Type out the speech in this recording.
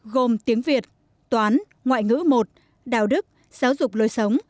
gồm tiếng việt toán ngoại ngữ một đạo đức giáo dục lối sống